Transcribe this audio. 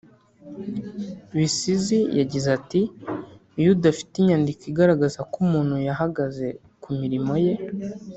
Bisizi yagize ati “Iyo udafite inyandiko igaragaza ko umuntu yahagaze ku mirimo ye